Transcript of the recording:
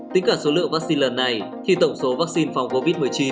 tính cả số lượng vaccine lần này thì tổng số vaccine phòng covid một mươi chín